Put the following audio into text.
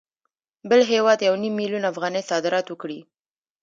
بل هېواد یو نیم میلیون افغانۍ صادرات وکړي